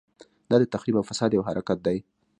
دا د تخریب او فساد یو حرکت دی.